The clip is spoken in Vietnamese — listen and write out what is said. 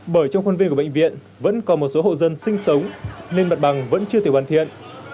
bởi trong khuôn viên của bệnh viện vẫn còn một số hộ dân sinh sống nên mặt bằng vẫn chưa thể hoàn thiện